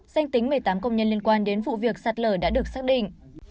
danh tính một mươi tám công nhân liên quan đến vụ việc sạt lở đã được xác định